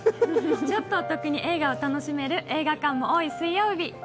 ちょっとお得に映画を楽しめる映画館も多い水曜日。